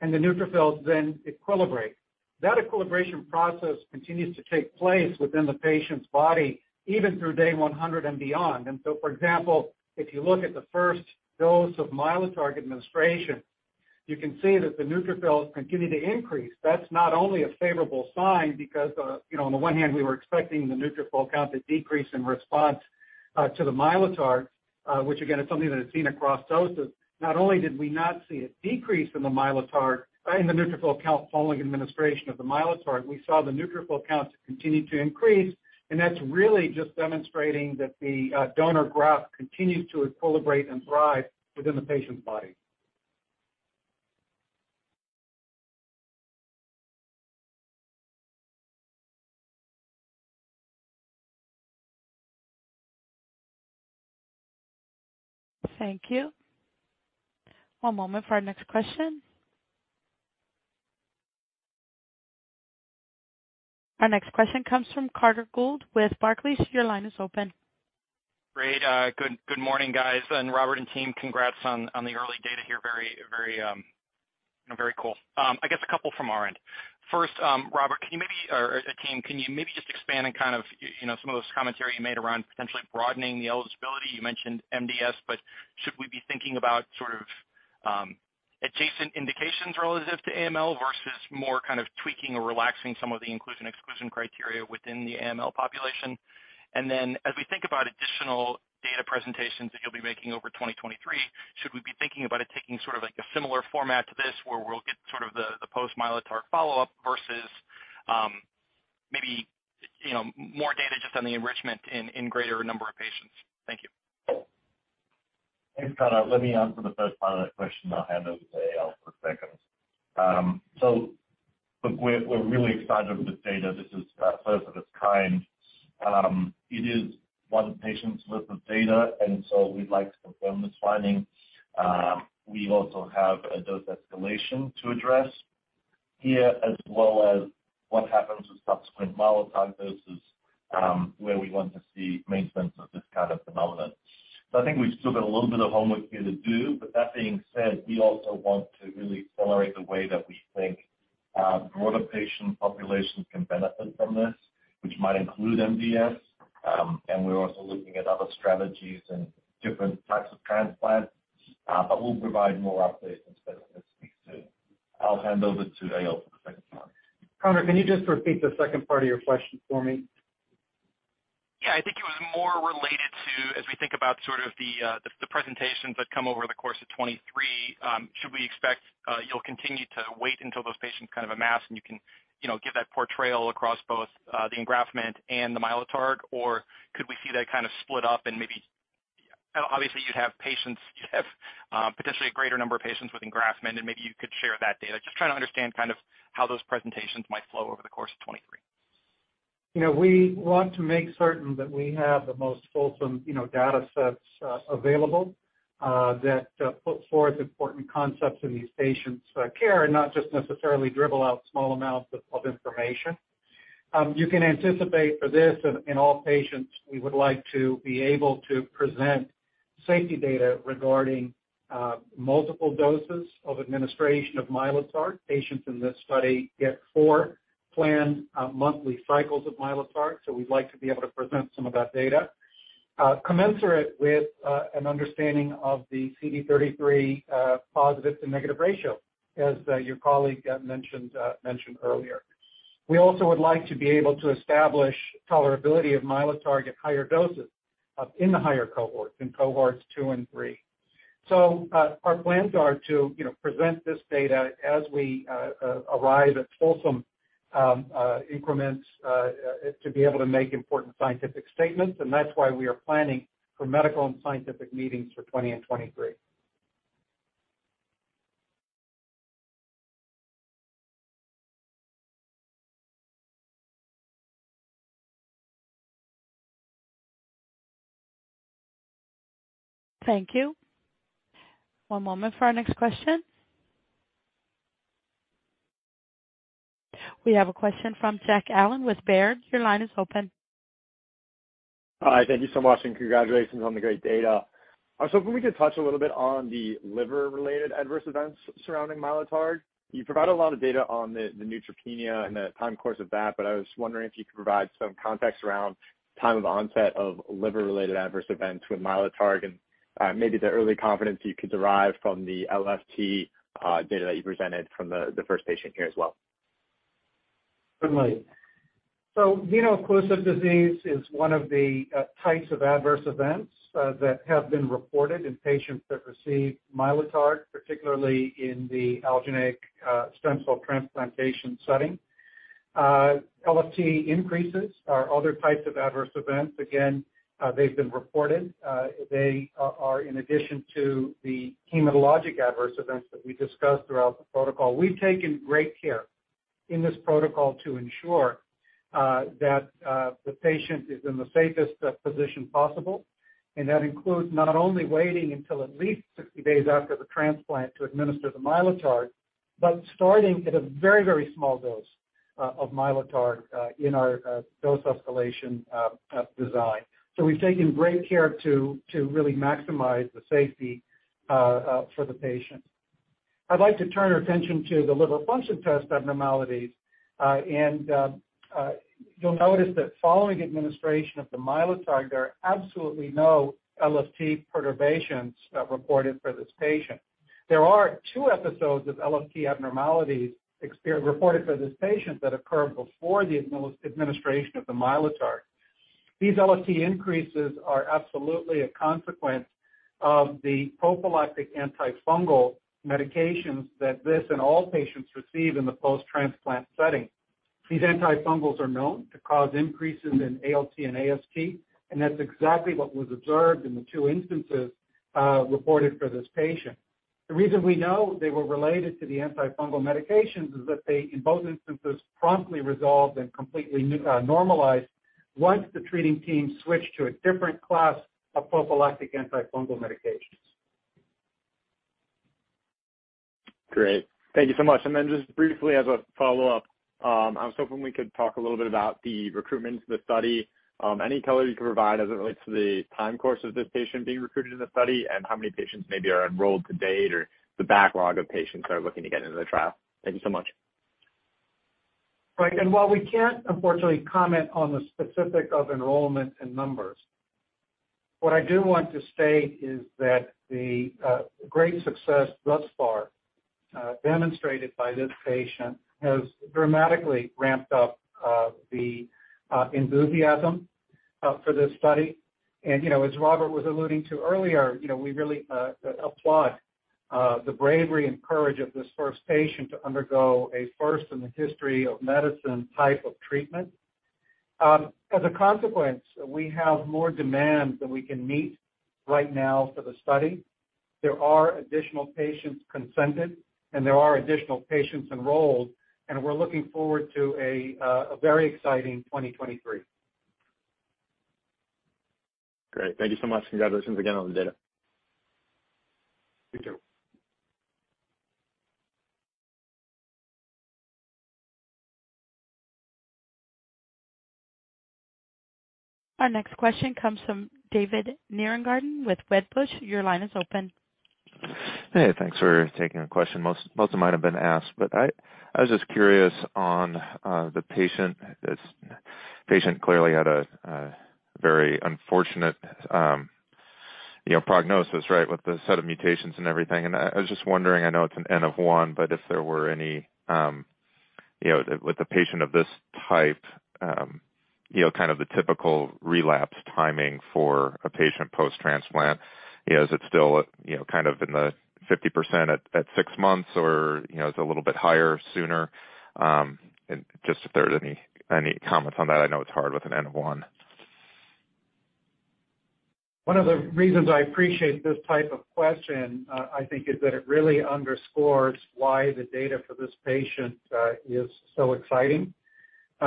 and the neutrophils then equilibrate. That equilibration process continues to take place within the patient's body, even through day 100 and beyond. For example, if you look at the first dose of Mylotarg administration, you can see that the neutrophils continue to increase. That's not only a favorable sign because, you know, on the one hand, we were expecting the neutrophil count to decrease in response to the Mylotarg, which again is something that is seen across doses. Not only did we not see a decrease in the Mylotarg, in the neutrophil count following administration of the Mylotarg, we saw the neutrophil counts continue to increase, and that's really just demonstrating that the donor graft continues to equilibrate and thrive within the patient's body. Thank you. One moment for our next question. Our next question comes from Carter Gould with Barclays. Your line is open. Great. Good morning, guys. Robert and team, congrats on the early data here. Very, you know, very cool. I guess a couple from our end. First, Robert, can you maybe or a team, can you maybe just expand and kind of, you know, some of those commentary you made around potentially broadening the eligibility? You mentioned MDS, but should we be thinking about sort of, adjacent indications relative to AML versus more kind of tweaking or relaxing some of the inclusion/exclusion criteria within the AML population? As we think about additional data presentations that you'll be making over 2023, should we be thinking about it taking sort of like a similar format to this where we'll get sort of the post-Mylotarg follow-up versus, maybe, you know, more data just on the enrichment in greater number of patients? Thank you. Thanks, Carter. Let me answer the first part of that question, then I'll hand over to Eyal for seconds. Look, we're really excited with this data. This is first of its kind. It is 1 patient's worth of data, and so we'd like to confirm this finding. We also have a dose escalation to address here as well as what happens with subsequent Mylotarg doses, where we want to see maintenance of this kind of development. I think we've still got a little bit of homework here to do. That being said, we also want to really accelerate the way that we think broader patient populations can benefit from this, which might include MDS. We're also looking at other strategies and different types of transplants, we'll provide more updates instead this week, too. I'll hand over to Eyal for the second part. Carter, can you just repeat the second part of your question for me? I think it was more related to, as we think about sort of the presentations that come over the course of 2023, should we expect, you'll continue to wait until those patients kind of amass and you can, you know, give that portrayal across both, the engraftment and the Mylotarg? Or could we see that kind of split up and maybe... Obviously, you'd have patients, you'd have, potentially a greater number of patients with engraftment and maybe you could share that data. Just trying to understand kind of how those presentations might flow over the course of 2023. You know, we want to make certain that we have the most fulsome, you know, datasets, available, that put forth important concepts in these patients' care and not just necessarily dribble out small amounts of information. You can anticipate for this in all patients, we would like to be able to present safety data regarding multiple doses of administration of Mylotarg. Patients in this study get 4 planned monthly cycles of Mylotarg. We'd like to be able to present some of that data commensurate with an understanding of the CD33 positive to negative ratio, as your colleague mentioned earlier. We also would like to be able to establish tolerability of Mylotarg at higher doses in the higher cohorts, in cohorts 2 and 3. Our plans are to, you know, present this data as we arrive at fulsome increments to be able to make important scientific statements, and that's why we are planning for medical and scientific meetings for 2020 and 2023. Thank you. One moment for our next question. We have a question from Jack Allen with Baird. Your line is open. Hi. Thank you so much, and congratulations on the great data. I was hoping we could touch a little bit on the liver-related adverse events surrounding Mylotarg. You provided a lot of data on the neutropenia and the time course of that, but I was wondering if you could provide some context around time of onset of liver-related adverse events with Mylotarg, and maybe the early confidence you could derive from the LFT data that you presented from the first patient here as well. Certainly. Veno-occlusive disease is one of the types of adverse events that have been reported in patients that receive Mylotarg, particularly in the allogeneic stem cell transplantation setting. LFT increases are other types of adverse events. Again, they've been reported. They are in addition to the hematologic adverse events that we discussed throughout the protocol. We've taken great care in this protocol to ensure that the patient is in the safest position possible, and that includes not only waiting until at least 60 days after the transplant to administer the Mylotarg, but starting at a very, very small dose of Mylotarg in our dose escalation design. We've taken great care to really maximize the safety for the patient. I'd like to turn our attention to the liver function test abnormalities. You'll notice that following administration of the Mylotarg, there are absolutely no LFT perturbations reported for this patient. There are 2 episodes of LFT abnormalities reported for this patient that occurred before the administration of the Mylotarg. These LFT increases are absolutely a consequence of the prophylactic antifungal medications that this and all patients receive in the post-transplant setting. These antifungals are known to cause increases in ALT and AST, that's exactly what was observed in the 2 instances reported for this patient. The reason we know they were related to the antifungal medications is that they, in both instances, promptly resolved and completely normalized once the treating team switched to a different class of prophylactic antifungal medications. Great. Thank you so much. Just briefly as a follow-up, I was hoping we could talk a little bit about the recruitment to the study. Any color you can provide as it relates to the time course of this patient being recruited in the study and how many patients maybe are enrolled to date or the backlog of patients that are looking to get into the trial? Thank you so much. Right. While we can't unfortunately comment on the specifics of enrollment and numbers, what I do want to state is that the great success thus far demonstrated by this patient has dramatically ramped up the enthusiasm for this study. You know, as Robert was alluding to earlier, you know, we really applaud the bravery and courage of this first patient to undergo a first in the history of medicine type of treatment. As a consequence, we have more demand than we can meet right now for the study. There are additional patients consented, and there are additional patients enrolled, and we're looking forward to a very exciting 2023. Great. Thank you so much. Congratulations again on the data. Thank you. Our next question comes from David Nierengarten with Wedbush. Your line is open. Hey, thanks for taking the question. Most of mine have been asked, but I was just curious on the patient. This patient clearly had a very unfortunate, you know, prognosis, right, with the set of mutations and everything. I was just wondering, I know it's an N of 1, but if there were any, you know, with a patient of this type, you know, kind of the typical relapse timing for a patient post-transplant. You know, is it still, you know, kind of in the 50% at 6 months or, you know, is it a little bit higher sooner? Just if there are any comments on that. I know it's hard with an N of 1. One of the reasons I appreciate this type of question, I think is that it really underscores why the data for this patient is so exciting.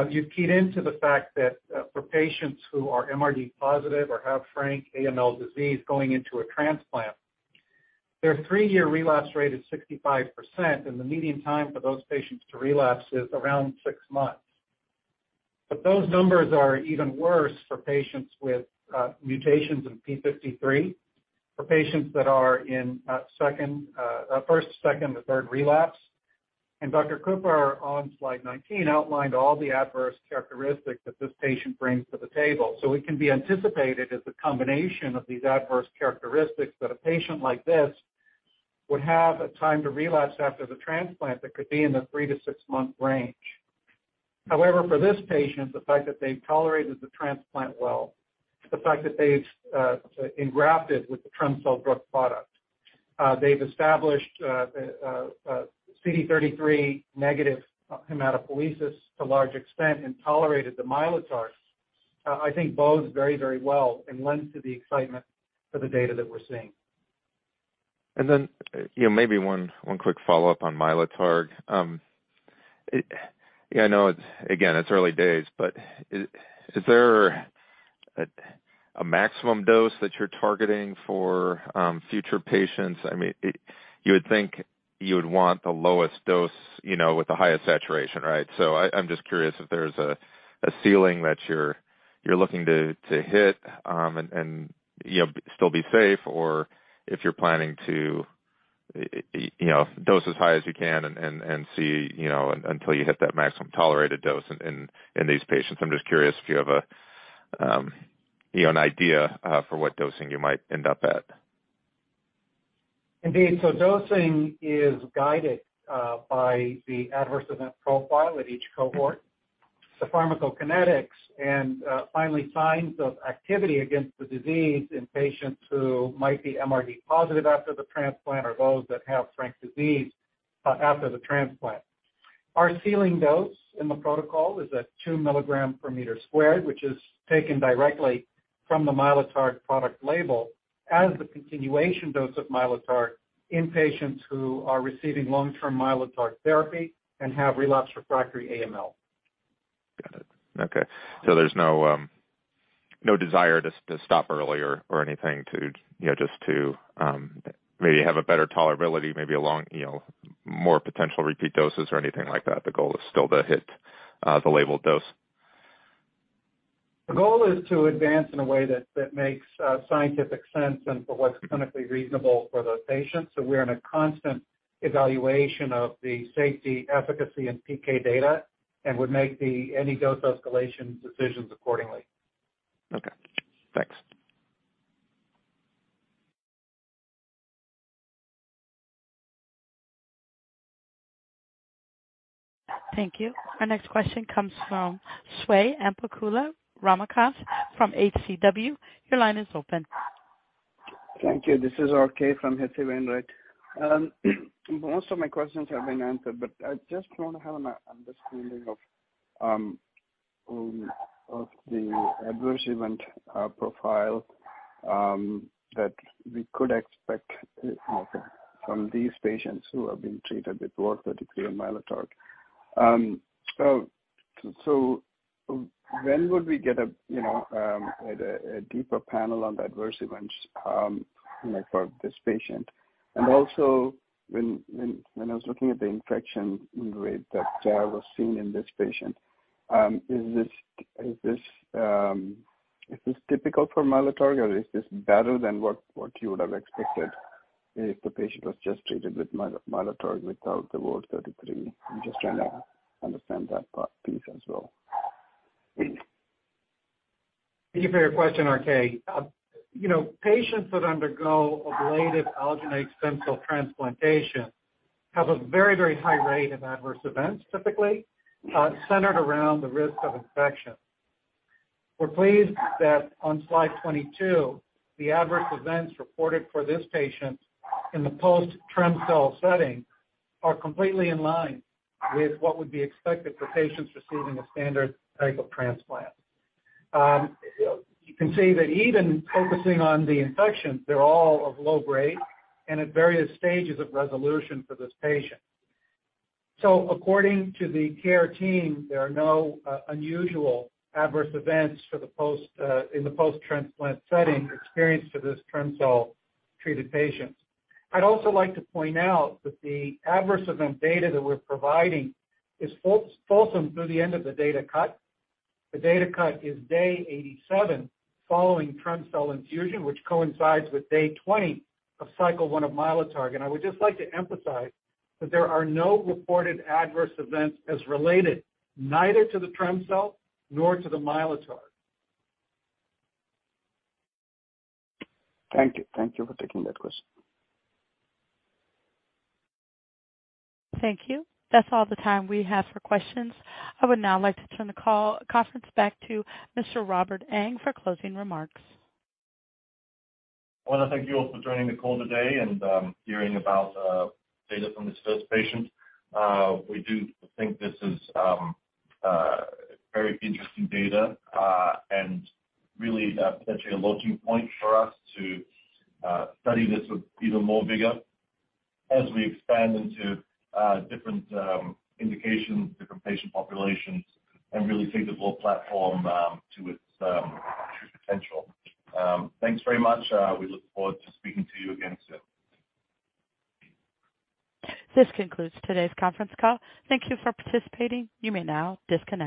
You've keyed into the fact that for patients who are MRD positive or have frank AML disease going into a transplant, their 3-year relapse rate is 65%, and the median time for those patients to relapse is around 6 months. Those numbers are even worse for patients with mutations in P53, for patients that are in first, second, and third relapse. Dr. Cooper on slide 19 outlined all the adverse characteristics that this patient brings to the table. It can be anticipated as a combination of these adverse characteristics that a patient like this would have a time to relapse after the transplant that could be in the 3-6-month range. For this patient, the fact that they've tolerated the transplant well, the fact that they've engrafted with the trem-cel drug product, they've established a CD33 negative hematopoiesis to a large extent and tolerated the Mylotarg, I think bodes very, very well and lends to the excitement for the data that we're seeing. You know, maybe one quick follow-up on Mylotarg. Yeah, I know it's, again, it's early days, but is there a maximum dose that you're targeting for future patients? I mean, you would think you would want the lowest dose, you know, with the highest saturation, right? So I'm just curious if there's a ceiling that you're looking to hit, and, you know, still be safe or if you're planning to, you know, dose as high as you can and see, you know, until you hit that maximum tolerated dose in these patients. I'm just curious if you have a, you know, an idea for what dosing you might end up at. Indeed. Dosing is guided by the adverse event profile at each cohort, the pharmacokinetics, and, finally signs of activity against the disease in patients who might be MRD positive after the transplant or those that have frank disease after the transplant. Our ceiling dose in the protocol is at 2 milligrams per meter squared, which is taken directly from the Mylotarg product label as the continuation dose of Mylotarg in patients who are receiving long-term Mylotarg therapy and have relapsed refractory AML. Got it. Okay. There's no desire to stop early or anything to, you know, just to, maybe have a better tolerability, maybe along, you know, more potential repeat doses or anything like that. The goal is still to hit, the labeled dose. The goal is to advance in a way that makes scientific sense and for what's clinically reasonable for those patients. We're in a constant evaluation of the safety, efficacy, and PK data and would make any dose escalation decisions accordingly. Okay. Thanks. Thank you. Our next question comes from Swayampakula Ramakanth from HCW. Your line is open. Thank you. This is RK from H.C. Wainwright. Most of my questions have been answered. I just want to have an understanding of the adverse event profile that we could expect from these patients who have been treated with VOR33 and Mylotarg. When would we get a, you know, a deeper panel on the adverse events, you know, for this patient? Also when I was looking at the infection rate that was seen in this patient, is this typical for Mylotarg or is this better than what you would have expected if the patient was just treated with Mylotarg without the VOR33? I'm just trying to understand that part piece as well. Thank you for your question, RK. You know, patients that undergo ablative allogeneic stem cell transplantation have a very, very high rate of adverse events, typically, centered around the risk of infection. We're pleased that on slide 22, the adverse events reported for this patient in the post-trem-cel setting are completely in line with what would be expected for patients receiving a standard type of transplant. You can see that even focusing on the infections, they're all of low grade and at various stages of resolution for this patient. According to the care team, there are no unusual adverse events for the post in the post-transplant setting experienced for this trem-cel-treated patient. I'd also like to point out that the adverse event data that we're providing is full through the end of the data cut. The data cut is day 87 following trem-cel infusion, which coincides with day 20 of cycle one of Mylotarg. I would just like to emphasize that there are no reported adverse events as related neither to the trem-cel nor to the Mylotarg. Thank you. Thank you for taking that question. Thank you. That's all the time we have for questions. I would now like to turn the call conference back to Mr. Robert Ang for closing remarks. I wanna thank you all for joining the call today and hearing about data from this first patient. We do think this is very interesting data and really potentially a launching point for us to study this with even more vigor as we expand into different indications, different patient populations, and really take the whole platform to its true potential. Thanks very much. We look forward to speaking to you again soon. This concludes today's conference call. Thank you for participating. You may now disconnect.